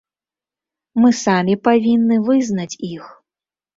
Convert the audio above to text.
Мы самі павінны вызнаць іх.